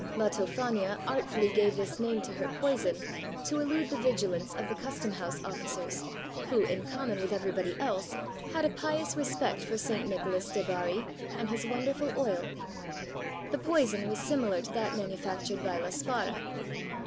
La Tophania artfully gave this name to her poison to elude the vigilance of the custom house officers, who, in common with every body else, had a pious respect for St. Nicholas de Barri and his wonderful oil. The poison was similar to that manufactured by La Spara.